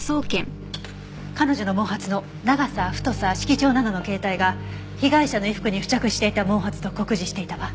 彼女の毛髪の長さ太さ色調などの形態が被害者の衣服に付着していた毛髪と酷似していたわ。